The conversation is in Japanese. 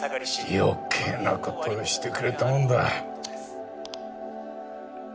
余計なことをしてくれたもんだ